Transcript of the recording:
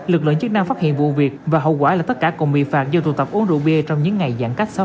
lực lượng chức năng phát hiện vụ việc và hậu quả là tất cả cùng bị phạt do tụ tập uống rượu bia trong những ngày giãn cách xã hội